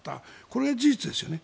これは事実ですよね。